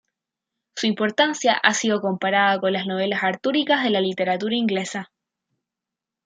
Su importancia ha sido comparada con las novelas artúricas de la literatura inglesa.